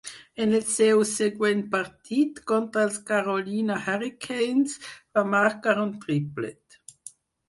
En el seu següent partit, contra els Carolina Hurricanes, va marcar un triplet.